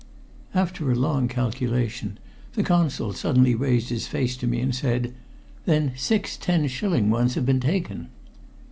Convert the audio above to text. After a long calculation the Consul suddenly raised his face to me and said "Then six ten shilling ones have been taken!"